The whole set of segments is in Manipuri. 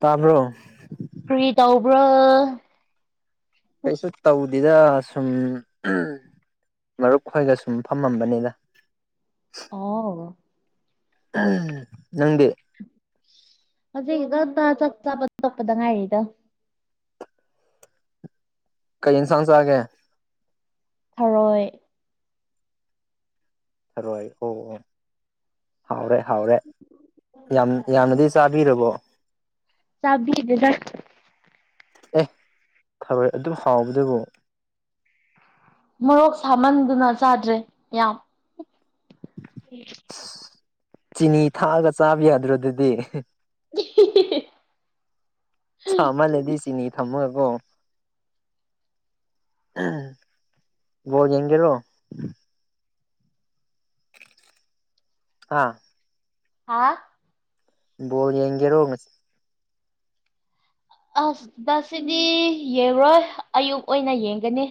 ꯇꯥꯕ꯭ꯔꯣ? ꯀꯔꯤ ꯇꯧꯕ꯭ꯔꯥ? ꯀꯩꯁꯨ ꯇꯧꯗꯦꯗ ꯁꯨꯝ ꯃꯔꯨꯞ ꯈꯣꯏꯒ ꯁꯨꯝ ꯐꯝꯃꯝꯕꯅꯤꯗ꯫ ꯑꯣꯥꯎ ꯎ ꯅꯪꯗꯤ ꯑꯗꯨꯗꯣ ꯆ ꯆꯄ ꯆꯞꯄꯕ ꯇꯣꯛꯄꯗ ꯉꯥꯏꯔꯤꯗ꯫ ꯀꯩ ꯏꯟꯁꯥꯟ ꯆꯥꯒꯦ꯫ ꯊꯔꯣꯏ꯫ ꯊꯔꯣꯏ ꯑꯣ ꯑꯣ ꯍꯥꯎꯔꯦ꯫ ꯍꯥꯎꯔꯦ ꯌꯥꯝ ꯌꯥꯝꯅꯗꯤ ꯆꯥꯕꯤꯔꯕꯣ? ꯆꯕꯤꯗꯦꯗꯥ꯫ ꯑꯦ ꯊꯓꯣꯏ ꯑꯗꯨꯝ ꯍꯥꯎꯕꯗꯨꯕꯨ꯫ ꯃꯣꯔꯣꯛ ꯁꯥꯃꯟꯗꯅ ꯆꯥꯗ꯭ꯔꯦ ꯌꯥꯝ꯫ ꯎꯝ ꯆꯤꯅꯤ ꯊꯥꯛꯑꯒ ꯆꯥꯕ ꯌꯥꯗ꯭ꯔꯣ ꯑꯗꯨꯗꯤ꯫ ꯆꯃꯟꯂꯗꯤ ꯆꯤꯅꯤ ꯊꯝꯃꯒꯀꯣ ꯕꯣꯜ ꯌꯦꯡꯒꯦꯔꯣ꯫ ꯑꯥ ꯍꯥ ꯕꯣꯜ ꯌꯦꯡꯒꯔꯣ ꯑꯁ ꯗꯁꯤꯗꯤ ꯌꯦꯡꯔꯣꯏ ꯑꯌꯨꯛ ꯑꯣꯏꯅ ꯌꯦꯡꯒꯅꯤ꯫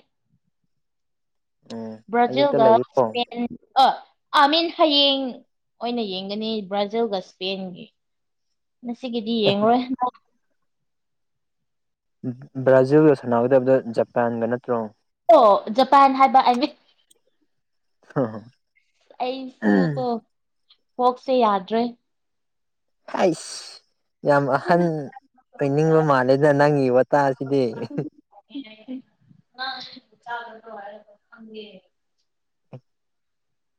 ꯎꯝ ꯑꯌꯨꯛꯇ ꯕ꯭ꯔꯖꯤꯜꯒ ꯂꯩꯌꯦꯀꯣ ꯁꯄꯦꯟ ꯑ ꯑꯥ ꯃꯤꯟ ꯍꯌꯦꯡ ꯑꯣꯏꯅ ꯌꯦꯡꯒꯅꯤ ꯕ꯭ꯔꯥꯖꯤꯜꯒ ꯏꯁꯄꯦꯟꯒꯤ꯫ ꯉꯁꯤꯒꯤꯗꯤ ꯑꯦ ꯌꯦꯡꯉꯔꯣꯏ꯫ ꯕ꯭ꯔꯥꯖꯤꯜꯒ ꯁꯥꯟꯅꯒꯗꯕꯗ ꯖꯄꯥꯟꯒ ꯅꯠꯇ꯭ꯔꯣ? ꯑꯣ ꯖꯄꯥꯟ ꯍꯥꯏꯕ ꯑꯦꯟꯋ ꯍꯥ ꯍꯥ ꯑꯩꯁꯨ ꯀꯣ ꯀꯣꯛꯁꯦ ꯌꯥꯗ꯭ꯔꯦ꯫ ꯑꯩꯁ ꯌꯥꯝ ꯑꯍꯟ ꯑꯣꯏꯅꯤꯡꯕ ꯃꯥꯜꯂꯦꯗ ꯅꯪꯒꯤ ꯋꯥꯇꯥꯁꯤꯗꯤ꯫ [unintelligible]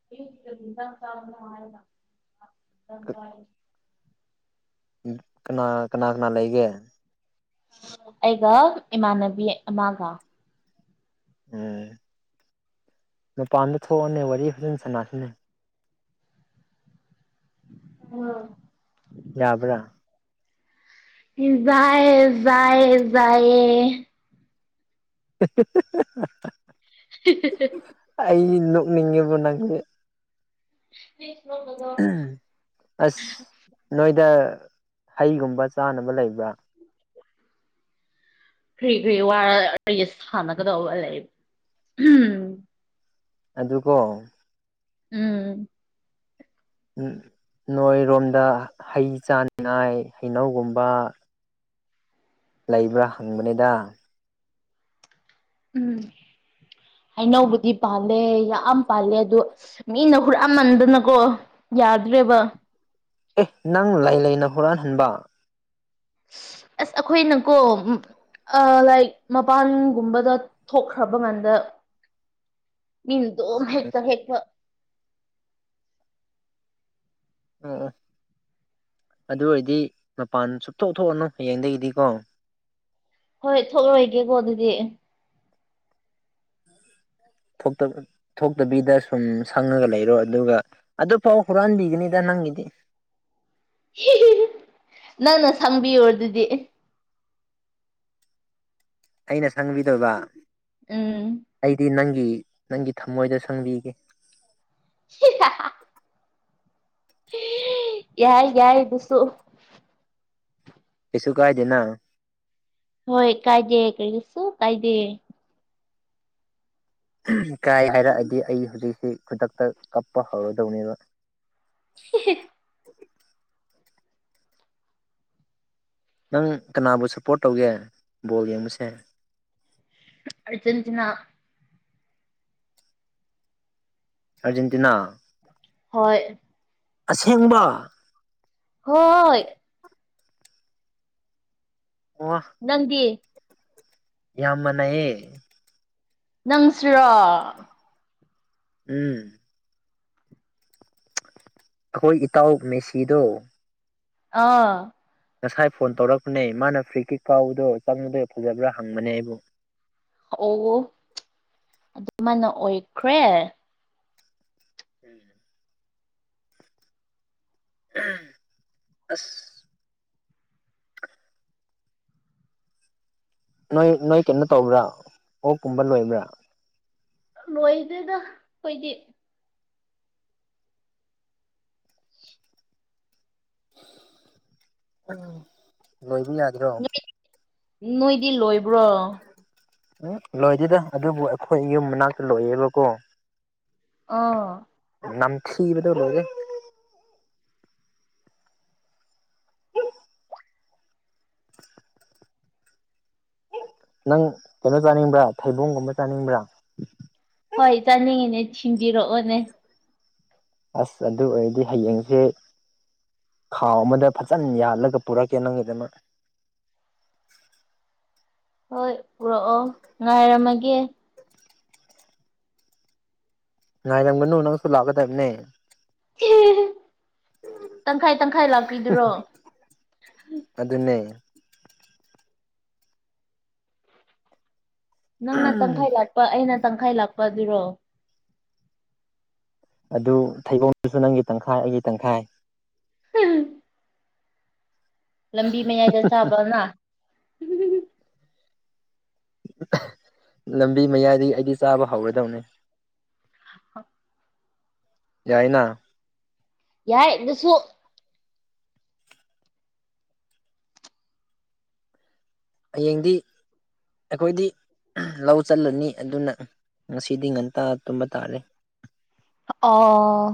[unintelligible] ꯎꯝ ꯀꯅꯥ ꯀꯅꯥ ꯀꯅꯥ ꯂꯩꯒꯦ꯫ ꯑꯩꯒ ꯏꯃꯥꯟꯅꯕꯤ ꯑꯃꯒ ꯎꯝ ꯃꯄꯥꯟꯗ ꯊꯣꯛꯑꯣꯅꯦ ꯋꯥꯔꯤ ꯐꯖꯟ ꯁꯥꯅꯁꯤꯅꯦ ꯎꯝ ꯌꯥꯕ꯭ꯔ [unintelligible] ꯖꯥꯏꯌꯦ [unintelligible] [unintelligible] ꯑꯩ ꯅꯣꯛꯅꯤꯡꯉꯦꯕꯣ ꯅꯪꯁꯦ [unintelligible] ꯑꯁ ꯅꯣꯏꯗ ꯍꯩꯒꯨꯝꯕ ꯆꯥꯅꯕ ꯂꯩꯕ꯭ꯔꯥ ꯀ꯭ꯔꯤ ꯀ꯭ꯔꯤ ꯋꯥꯔ ꯑꯩꯒ ꯁꯥꯟꯅꯒꯗꯧꯕ ꯂꯩ ꯎꯝ ꯑꯗꯨꯀꯣ ꯎꯝ ꯎꯝ ꯅꯣꯏꯔꯣꯝꯗ ꯍꯩ ꯆꯥꯅꯤꯡꯉꯥꯏ ꯍꯩꯅꯧꯒꯨꯝꯕ ꯂꯩꯕ꯭ꯔꯥ ꯍꯪꯕꯅꯤꯗ ꯎꯝ ꯍꯩꯅꯧꯕꯨꯗꯤ ꯄꯥꯜꯂꯦ ꯌꯥꯝ ꯄꯥꯜꯂꯦ ꯑꯗꯨ ꯃꯤꯅ ꯍꯨꯔꯥꯟꯃꯟꯗꯅꯀꯣ ꯌꯥꯗ꯭ꯔꯦꯕ ꯑꯦ ꯅꯪ ꯂꯩ ꯂꯩꯅ ꯍꯨꯔꯥꯥꯟꯍꯟꯕ ꯑꯁ ꯑꯈꯣꯏꯅꯀꯣ ꯑ ꯂꯥꯏꯛ ꯃꯄꯥꯟꯒꯨꯝꯕꯗ ꯊꯣꯛꯈ꯭ꯔꯕ ꯀꯥꯟꯗ ꯃꯤꯅ ꯑꯗꯨꯝ ꯍꯦꯛꯇ ꯍꯦꯛꯄ ꯑꯣ ꯑꯣ ꯑꯗꯨ ꯑꯣꯏꯔꯗꯤ ꯃꯄꯥꯟ ꯁꯨꯡꯊꯣꯛ ꯊꯣꯛꯑꯅꯨ ꯍꯌꯦꯡꯗꯒꯤꯗꯤꯀꯣ ꯍꯣꯏ ꯊꯣꯛꯂꯣꯏꯒꯦꯀꯣ ꯑꯗꯨꯗꯤ ꯊꯣꯛꯇ ꯊꯣꯛꯇꯕꯤꯗ ꯁꯨꯝ ꯁꯪꯉꯒ ꯂꯩꯔꯣ ꯑꯗꯨꯒ ꯑꯗꯨ ꯐꯥꯎ ꯍꯨꯔꯥꯟꯕꯤꯒꯅꯤꯗ ꯅꯪꯒꯤꯗꯤ ꯅꯪꯅ ꯁꯪꯕꯤꯌꯣ ꯑꯗꯨꯗꯤ ꯑꯩꯅ ꯁꯪꯕꯤꯗꯣꯏꯕ ꯎꯝ ꯑꯩꯗꯤ ꯅꯪꯒꯤ ꯅꯪꯒꯤ ꯊꯃꯣꯏꯗ ꯁꯪꯕꯤꯒꯦ [unintelligible] ꯌꯥꯏ ꯌꯥꯏ ꯑꯗꯨꯁꯨ ꯀꯩꯁꯨ ꯀꯥꯏꯗꯦꯅ ꯍꯣꯏ ꯀꯥꯏꯗꯦ ꯀꯩꯁꯨ ꯀꯥꯏꯗꯦ ꯀꯥꯏ ꯍꯥꯏꯔꯛꯑꯗꯤ ꯑꯩ ꯍꯧꯖꯤꯛꯁꯤ ꯈꯨꯗꯛꯇ ꯀꯞꯄ ꯍꯧꯔꯗꯧꯅꯦꯕ [unintelligible] ꯅꯪ ꯀꯅꯥꯕꯨ ꯁꯞꯄꯣꯔꯠ ꯇꯧꯒꯦ ꯕꯣꯜ ꯌꯦꯡꯕꯁꯦ ꯑꯥꯔꯖꯦꯟꯇꯤꯅꯥ ꯑꯥꯔꯖꯦꯟꯇꯤꯅꯥ ꯍꯣꯏ ꯑꯁꯦꯡꯕ ꯍꯣꯏ ꯑꯣ ꯅꯪꯗꯤ ꯌꯥꯝ ꯃꯥꯟꯅꯩꯌꯦ ꯅꯪꯁꯨꯔꯣ ꯎꯝ ꯑꯈꯣꯏ ꯏꯇꯥꯎ ꯃꯦꯁꯤꯗꯣ ꯑꯥ ꯉꯁꯥꯏ ꯐꯣꯟ ꯇꯧꯔꯛꯄꯅꯦ ꯃꯥꯅ ꯐ꯭ꯔꯤꯀꯤꯛ ꯀꯥꯎꯕꯗꯣ ꯆꯪꯕꯗꯣ ꯐꯖꯕ꯭ꯔꯥ ꯍꯪꯕꯅꯦ ꯑꯩꯕꯨ ꯑꯣ ꯑꯗꯨꯃꯥꯢꯅ ꯑꯣꯏꯈ꯭ꯔꯦ ꯎꯝ ꯑꯁ ꯅꯣꯏ ꯅꯣꯏ ꯀꯩꯅꯣ ꯇꯧꯕ꯭ꯔꯥ ꯑꯣꯛꯀꯨꯝꯕ ꯂꯣꯏꯕ꯭ꯔꯥ ꯂꯣꯏꯗꯦꯗ ꯈꯣꯏꯗꯤ ꯂꯣꯏꯕ ꯌꯥ ꯅꯣꯏ ꯅꯣꯏꯗꯤ ꯂꯣꯏꯕ꯭ꯔꯣ ꯎꯝ ꯂꯣꯏꯗꯦꯗ ꯑꯗꯨꯕꯨ ꯑꯩꯈꯣꯏ ꯌꯨꯝ ꯃꯅꯥꯛꯇ ꯂꯣꯏꯌꯦꯕꯀꯣ ꯑꯥ ꯅꯝꯊꯤꯕꯗ ꯂꯣꯏꯔꯦ [inaudible] ꯅꯪ ꯀꯩꯅꯣ ꯆꯥꯅꯤꯡꯕ꯭ꯔꯥ ꯊꯩꯕꯣꯡꯒꯨꯝꯕ ꯆꯥꯅꯤꯡꯕ꯭ꯔꯥ ꯍꯣꯏ ꯆꯥꯅꯤꯡꯉꯤꯅꯦ ꯊꯤꯟꯕꯤꯔꯛꯑꯣꯅꯦ ꯑꯁ ꯑꯗꯨ ꯑꯣꯏꯔꯗꯤ ꯍꯌꯦꯡꯖꯦ ꯈꯥꯎ ꯑꯃꯗ ꯐꯖꯅ ꯌꯥꯜꯂꯒ ꯄꯨꯔꯛꯀꯦ ꯅꯪꯒꯤꯗꯃꯛ ꯍꯣꯏ ꯄꯨꯔꯛꯑꯣ ꯉꯥꯏꯔꯝꯃꯒꯦ ꯉꯥꯏꯔꯝꯒꯅꯨ ꯅꯪꯁꯨ ꯂꯥꯛꯀꯗꯕꯅꯦ ꯇꯪꯈꯥꯏ ꯇꯪꯈꯥꯏ ꯂꯥꯛꯄꯤꯗꯨꯔꯣ ꯑꯗꯨꯅꯦ ꯅꯪꯅ ꯇꯪꯈꯥꯏ ꯂꯥꯛꯄ ꯑꯩꯅ ꯇꯪꯈꯥꯏ ꯂꯥꯛꯄ ꯑꯗꯨꯔꯣ ꯑꯗꯨ ꯊꯩꯕꯣꯡꯁꯨ ꯅꯪꯒꯤ ꯇꯪꯈꯥꯏ ꯑꯩꯒꯤ ꯇꯪꯈꯥꯏ ꯎꯝ ꯂꯝꯕꯤ ꯃꯌꯥꯏꯗ ꯆꯥꯕ ꯃ ꯂꯝꯕꯤ ꯃꯌꯥꯏꯗꯒꯤ ꯑꯩꯗꯤ ꯆꯥꯕ ꯍꯧꯔꯗꯧꯅꯦ [inaudible] ꯌꯥꯏꯅꯥ ꯌꯥꯏ ꯑꯗꯨꯁꯨ ꯍꯌꯦꯡꯗꯤ ꯑꯩꯈꯣꯏꯗꯤ ꯂꯧ ꯆꯠꯂꯅꯤ ꯑꯗꯨꯅ ꯉꯁꯤꯗꯤ ꯉꯟꯇꯥ ꯇꯨꯝꯕ ꯇꯥꯔꯦ ꯑꯣ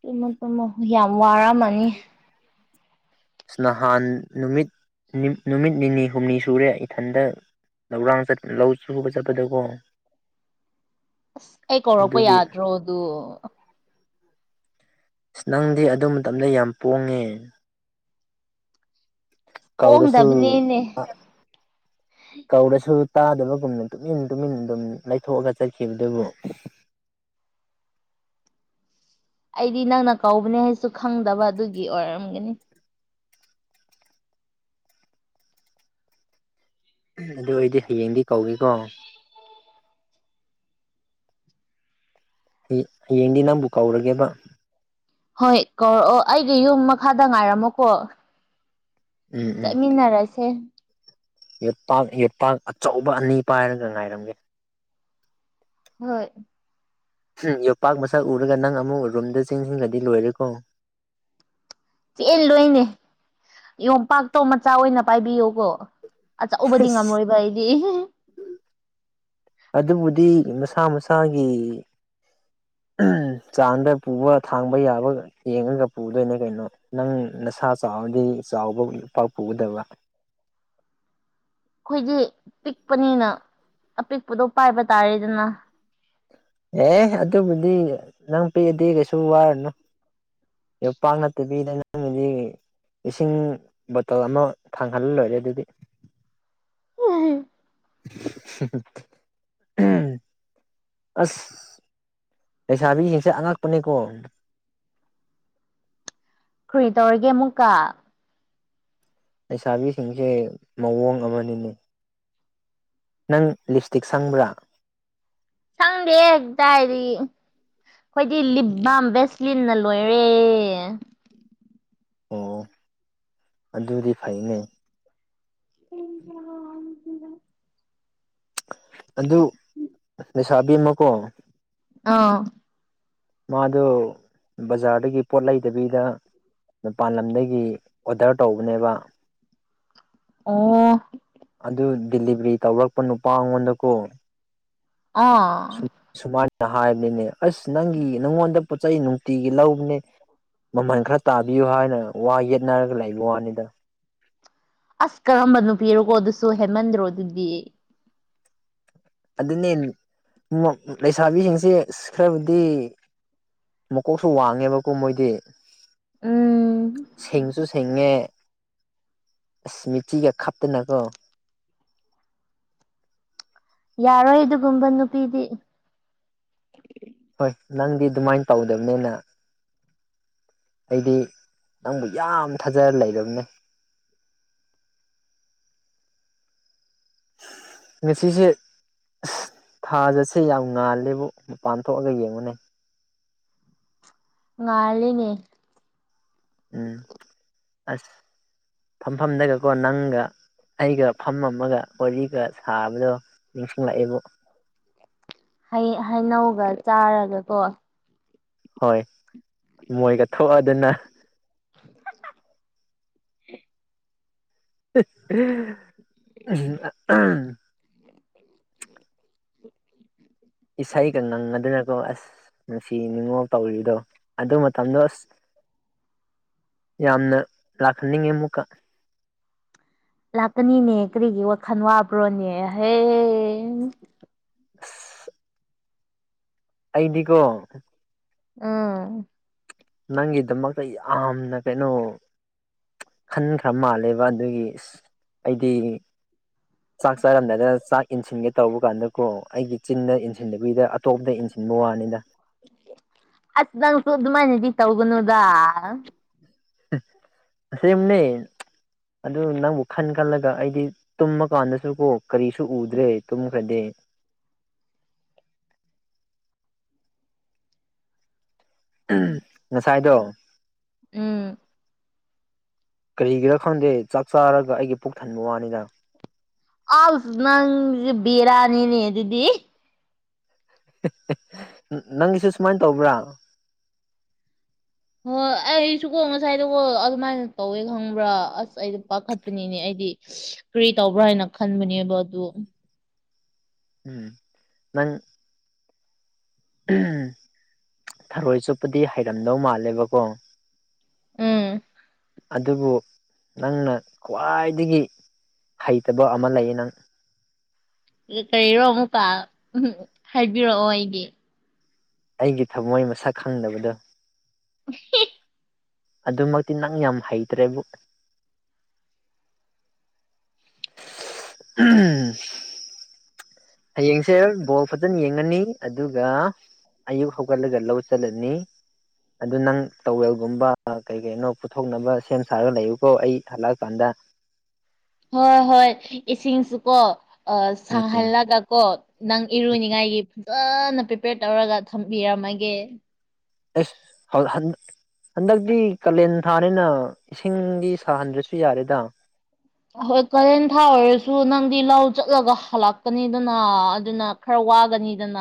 ꯇꯨꯝꯃꯣ ꯇꯨꯝꯃꯣ ꯌꯥꯝ ꯋꯥꯔꯝꯃꯅꯤ ꯑꯁ ꯅꯍꯥꯟ ꯅꯨꯃꯤꯠ ꯅꯨꯃꯤꯠ ꯅꯤꯅꯤ ꯍꯨꯝꯅꯤ ꯁꯨꯔꯦ ꯏꯊꯟꯗ ꯂꯧꯔꯥꯡ ꯆꯠ ꯂꯧ ꯁꯨꯕ ꯆꯠꯄꯗꯀꯣ ꯑꯁ ꯑꯩ ꯀꯧꯔꯛꯄ ꯑꯗꯨꯒꯤ ꯌꯥꯗ꯭ꯔꯣ ꯑꯗꯨ ꯑꯁ ꯅꯪꯗꯤ ꯑꯗꯨ ꯃꯇꯝꯗ ꯌꯥꯝ ꯄꯣꯡꯉꯦ ꯀꯧꯔꯁꯨ ꯄꯣꯡꯗꯕꯅꯤꯅꯦ ꯑ ꯀꯧꯔꯁꯨ ꯇꯥꯗꯕꯒꯨꯝꯅ ꯇꯨꯃꯤꯟ ꯇꯨꯃꯤꯟ ꯑꯗꯨꯝ ꯂꯩꯊꯣꯛꯑꯒ ꯆꯠꯈꯤꯕꯗꯨꯕꯨ ꯑꯩꯗꯤ ꯅꯪꯅ ꯀꯧꯕꯅꯦ ꯍꯥꯏꯁꯨ ꯈꯪꯗꯕ ꯑꯗꯨꯒꯤ ꯑꯣꯏꯔꯝꯒꯅꯤ ꯎꯝ ꯑꯗꯨ ꯑꯣꯏꯗꯤ ꯍꯌꯦꯡꯗꯤ ꯀꯧꯒꯦꯀꯣ ꯍꯩ ꯍꯌꯦꯡꯗꯤ ꯅꯪꯕꯨ ꯀꯧꯔꯒꯦꯕ ꯍꯣꯏ ꯀꯧꯔꯛꯑꯣ ꯑꯩꯒꯤ ꯌꯨꯝ ꯃꯈꯥꯗ ꯉꯥꯏꯔꯝꯃꯣ ꯀꯣ ꯎꯝ ꯆꯠꯃꯤꯟꯅꯔꯁꯦ ꯌꯦꯠꯄꯥꯛ ꯌꯦꯠꯄꯥꯛ ꯑꯆꯧꯕ ꯑꯅꯤ ꯄꯥꯏꯔꯒ ꯉꯥꯏꯔꯝꯒꯦ ꯍꯣꯏ ꯎꯝ ꯌꯣꯄꯥꯛ ꯃꯁꯛ ꯎꯔꯒ ꯅꯪ ꯑꯃꯨꯛ ꯔꯨꯝꯗ ꯆꯦꯟꯁꯤꯟꯒ꯭ꯔꯗꯤ ꯂꯣꯏꯔꯦꯀꯣ ꯆꯦꯟꯂꯣꯏꯅꯦ ꯌꯣꯠꯄꯥꯛꯇꯣ ꯃꯆꯥ ꯑꯣꯏꯅ ꯄꯥꯏꯕꯤꯌꯨꯀꯣ ꯑꯆꯧꯕꯗꯤ ꯉꯝꯔꯣꯏꯕ ꯑꯩꯗꯤ ꯑꯗꯨꯕꯨꯗꯤ ꯃꯁꯥ ꯃꯁꯥꯒꯤ ꯆꯥꯟꯗ ꯄꯨꯕ ꯊꯥꯡꯕ ꯌꯥꯕ ꯌꯦꯡꯉꯒ ꯄꯨꯗꯣꯏꯅꯦ ꯀꯩꯅꯣ ꯅꯪ ꯅꯁꯥ ꯆꯥꯎꯔꯗꯤ ꯆꯥꯎꯕ ꯌꯣꯄꯥꯛ ꯄꯨꯒꯗꯕ ꯑꯩꯈꯣꯏꯗꯤ ꯄꯤꯛꯄꯅꯤꯅ ꯑꯄꯤꯛꯄꯗꯣ ꯄꯥꯏꯕ ꯇꯥꯔꯦꯗꯅ ꯑꯦ ꯑꯗꯨꯕꯨꯗꯤ ꯅꯪ ꯄꯤꯛꯑꯗꯤ ꯀꯩꯁꯨ ꯋꯥꯔꯨꯅꯨ ꯌꯣꯠꯄꯥꯛ ꯅꯠꯇꯕꯤꯗ ꯅꯪꯒꯤꯗꯤ ꯏꯁꯤꯡ ꯕꯣꯇꯜ ꯑꯃ ꯊꯥꯡꯍꯜꯂ ꯂꯣꯏꯔꯦ ꯑꯗꯨꯗꯤ ꯑꯁ ꯂꯩꯁꯥꯕꯤꯁꯤꯡꯁꯦ ꯑꯉꯛꯄꯅꯦꯀꯣ ꯀ꯭ꯔꯤ ꯇꯧꯔꯒꯦ ꯑꯃꯨꯛꯀ ꯂꯩꯁꯥꯕꯤꯁꯤꯡꯁꯦ ꯃꯑꯣꯡ ꯑꯃꯅꯤꯅꯦ ꯅꯪ ꯂꯤꯞ ꯏꯁꯇꯤꯛ ꯁꯪꯕ꯭ꯔꯥ ꯁꯪꯗꯦꯍꯦ ꯀꯗꯥꯏꯗꯒꯤ ꯑꯩꯈꯣꯏꯗꯤ ꯂꯤꯞꯕꯥꯝ ꯕꯦꯁꯂꯤꯟꯅ ꯂꯣꯏꯔꯦ ꯑꯣ ꯑꯗꯨꯗꯤ ꯐꯩꯅꯦ [unintelligible] ꯑꯗꯨ ꯂꯩꯩꯁꯥꯕꯤ ꯑꯃꯀꯣ ꯑꯥ ꯃꯥꯗꯨ ꯕꯖꯥꯔꯗꯒꯤ ꯄꯣꯠ ꯂꯩꯗꯕꯤꯗ ꯃꯄꯥꯟ ꯂꯝꯗꯒꯤ ꯑꯣꯗꯔ ꯇꯧꯕꯅꯦꯕ ꯑꯣ ꯑꯗꯨ ꯗꯦꯂꯤꯚꯔꯤ ꯇꯧꯔꯛꯄ ꯅꯨꯄꯥ ꯉꯣꯟꯗꯀꯣ ꯑꯣ ꯁꯨꯝ ꯁꯨꯃꯥꯏꯅ ꯍꯥꯏꯕꯅꯤꯅꯦ ꯑꯁ ꯅꯪꯒꯤ ꯅꯪꯉꯣꯟꯗ ꯄꯣꯠ ꯆꯩ ꯅꯨꯡꯇꯤꯒꯤ ꯂꯧꯕꯅꯦ ꯃꯃꯜ ꯈꯔ ꯇꯥꯕꯤꯌꯨ ꯍꯥꯏꯅ ꯋꯥ ꯌꯦꯠꯅꯔꯒ ꯂꯩꯕ ꯋꯥꯅꯤꯗ ꯑꯁ ꯀꯔꯝꯕ ꯅꯨꯄꯤꯔꯣꯀꯣ ꯑꯗꯨꯁꯨ ꯍꯦꯃꯟꯗ꯭ꯔꯣ ꯑꯗꯨꯗꯤ ꯑꯗꯨꯅꯦ ꯂꯩꯁꯥꯕꯤꯁꯤꯡꯁꯦ ꯈꯔꯕꯨꯗꯤ ꯃꯀꯣꯛꯁꯨ ꯋꯥꯡꯉꯦꯕꯀꯣ ꯃꯣꯏꯗꯤ ꯎꯝ ꯁꯤꯡꯁꯨ ꯁꯤꯡꯉꯦ ꯑꯁ ꯃꯤꯆꯤꯒ ꯈꯞꯇꯅꯀꯣ ꯌꯥꯔꯣꯏ ꯑꯗꯨꯒꯨꯝꯕ ꯅꯨꯄꯤꯗꯤ ꯍꯣꯏ ꯅꯪꯗꯤ ꯑꯗꯨꯃꯥꯏꯅ ꯇꯧꯗꯕꯅꯤꯅ ꯑꯩꯗꯤ ꯅꯪꯕꯨ ꯌꯥꯝ ꯊꯥꯖꯔ ꯂꯩꯔꯕꯅꯦ ꯉꯁꯤꯁꯦ ꯊꯥꯖꯁꯦ ꯌꯥꯝ ꯉꯥꯜꯂꯦꯕꯨ ꯃꯄꯥꯟ ꯊꯣꯛꯑꯒ ꯌꯦꯡꯉꯨꯅꯦ ꯉꯥꯜꯂꯤꯅꯦ ꯎꯝ ꯑꯁ ꯐꯝꯐꯝꯗꯒꯀꯣ ꯅꯪꯒ ꯑꯩꯒ ꯐꯝ ꯃꯝꯃꯒ ꯋꯥꯔꯤꯒ ꯁꯥꯕꯗꯣ ꯅꯤꯡꯁꯤꯡ ꯂꯛꯏꯕꯨ ꯍꯩ ꯍꯩꯅꯧꯒ ꯆꯥꯔꯒꯀꯣ ꯍꯣꯏ ꯃꯣꯏꯒ ꯊꯣꯛꯑꯗꯅ [unintelligible] [unintelligible] ꯏꯁꯩ ꯀ ꯉꯪꯉꯗꯅꯀꯣ ꯑꯁ ꯅꯨꯡꯁꯤ ꯅꯨꯡꯉꯣꯜ ꯇꯧꯔꯤꯗꯣ ꯑꯗꯨ ꯃꯇꯝꯗꯣ ꯑꯁ ꯌꯥꯝꯅ ꯂꯥꯛꯍꯟꯅꯤꯡꯉꯤ ꯑꯃꯨꯛꯀ ꯂꯥꯛꯀꯅꯤꯅꯦ ꯀꯔꯤꯒꯤ ꯋꯥꯈꯜ ꯋꯥꯕ꯭ꯔꯣꯅꯦ ꯍꯦ ꯑꯁ ꯑꯩꯗꯤꯀꯣ ꯎꯝ ꯅꯪꯒꯤꯗꯃꯛꯇ ꯌꯥꯝꯅ ꯀꯩꯅꯣ ꯈꯟꯈ꯭ꯔ ꯃꯥꯜꯂꯦꯕ ꯑꯗꯨꯒꯤ ꯏꯁ ꯑꯩꯗꯤ [inaudible] ꯆꯥꯛ ꯆꯥꯔꯝꯗꯥꯏꯗ ꯆꯥꯛ ꯏꯟꯁꯤꯟꯒꯦ ꯇꯧꯕ ꯀꯥꯟꯗꯀꯣ ꯑꯩꯒꯤ ꯆꯤꯟꯗ ꯏꯟꯁꯤꯟꯗꯕꯤꯗ ꯑꯇꯣꯞꯄꯗ ꯏꯟꯁꯤꯟꯕ ꯋꯥꯅꯦꯗ ꯑꯁ ꯅꯪꯁꯨ ꯑꯗꯨꯃꯥꯏꯅꯗꯤ ꯇꯧꯒꯅꯨꯗ ꯑꯁꯦꯡꯕꯅꯦ ꯑꯗꯨ ꯅꯪꯕꯨ ꯈꯟ ꯈꯜꯂꯒ ꯑꯩꯗꯤ ꯇꯨꯝꯃ ꯀꯥꯟꯗꯁꯨ ꯀꯣ ꯀꯔꯤꯁꯨ ꯎꯗ꯭ꯔꯦ ꯇꯨꯝꯈ꯭ꯔꯗꯤ ꯎꯝ ꯉꯁꯥꯏꯗꯣ ꯎꯝ ꯀꯔꯤꯒꯤꯔ ꯈꯪꯗꯦ ꯆꯥꯛ ꯆꯥꯔꯒ ꯑꯩꯒꯤ ꯄꯨꯛ ꯊꯟꯕ ꯋꯥꯅꯤꯗ ꯑꯥꯎ ꯅꯪ ꯕꯤꯔꯅꯤꯅꯦ ꯑꯗꯨꯗꯤ ꯅꯪꯒꯤꯁꯨ ꯁꯨꯃꯥꯏꯅ ꯇꯧꯕ꯭ꯔꯥ ꯍꯣꯏ ꯑꯩꯁꯨꯀꯣ ꯉꯁꯥꯏꯗꯣꯀꯣ ꯑꯗꯨꯃꯥꯏꯅ ꯇꯧꯋꯦ ꯈꯪꯕ꯭ꯔꯥ ꯑꯁ ꯑꯩꯗꯣ ꯄꯥꯈꯠꯄꯅꯤꯅꯦ ꯑꯩꯗꯤ ꯀ꯭ꯔꯤ ꯇꯧꯕ꯭ꯔꯥ ꯍꯥꯏꯅ ꯈꯟꯕꯅꯦꯕ ꯑꯗꯨ ꯎꯝ ꯅꯪ ꯊꯔꯣꯏ ꯆꯨꯞꯄꯗꯤ ꯍꯩꯔꯝꯗꯧ ꯃꯥꯜꯂꯦꯕꯀꯣ ꯎꯝ ꯑꯗꯨꯕꯨ ꯅꯪꯅ ꯈ꯭ꯋꯥꯏꯗꯒꯤ ꯍꯩꯇꯕ ꯑꯃ ꯂꯩꯌꯦ ꯅꯪ ꯀꯔꯤꯔꯣ ꯑꯃꯨꯛꯀ [unintelligible] ꯍꯥꯏꯕꯤꯔꯛꯑꯣ ꯑꯩꯒꯤ ꯑꯩꯒꯤ ꯊꯃꯣꯏ ꯃꯁꯛ ꯈꯪꯗꯕꯗꯣ [unintelligible] ꯑꯗꯨꯃꯛꯇꯤ ꯅꯪ ꯌꯥꯝ ꯍꯩꯇ꯭ꯔꯦꯕꯨ [unintelligible] ꯍꯌꯦꯡꯁꯦ ꯕꯣꯜ ꯐꯖꯅ ꯌꯦꯡꯉꯅꯤ ꯑꯗꯨꯒ ꯑꯌꯨꯛ ꯍꯧꯒꯠꯂꯒ ꯂꯧ ꯆꯠꯂꯅꯤ ꯑꯗꯨ ꯅꯪ ꯇꯧꯋꯦꯜꯒꯨꯝꯕ ꯀꯩ ꯀꯩꯅꯣ ꯄꯨꯊꯣꯛꯅꯕ ꯁꯦꯝ ꯁꯥꯔꯒ ꯂꯩꯌꯨꯀꯣ ꯑꯩ ꯍꯜꯂꯛꯀꯥꯟꯗ ꯍꯣꯏ ꯍꯣꯏ ꯏꯁꯤꯡꯁꯨ ꯀꯣ ꯑ ꯎꯝ ꯎꯝ ꯁꯥꯍꯜꯂꯒ ꯀꯣ ꯅꯪ ꯏꯔꯨꯅꯤꯡꯉꯥꯏꯒꯤ ꯐꯖꯅ ꯄ꯭ꯔꯤꯄꯦꯌꯔ ꯇꯧꯔꯒ ꯊꯝꯕꯤꯔꯝꯃꯒꯦ [unintelligible] ꯍꯟꯗꯛꯇꯤ ꯀꯥꯂꯦꯟ ꯊꯥꯅꯤꯅ ꯏꯁꯤꯡꯗꯤ ꯁꯥꯍꯟꯗ꯭ꯔꯁꯨ ꯌꯥꯔꯦꯗ ꯍꯣꯏ ꯀꯥꯂꯦꯟ ꯊꯥ ꯑꯣꯏꯔꯁꯨ ꯅꯪꯗꯤ ꯂꯧ ꯆꯠꯂꯒ ꯍꯜꯂꯛꯀꯅꯤꯗꯅ ꯑꯗꯨꯅ ꯈꯔ ꯋꯥꯒꯅꯤꯗꯅ